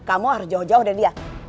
kamu harus jauh jauh dari dia